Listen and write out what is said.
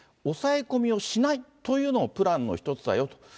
抑え込みをしないというのもプランの一つだよと。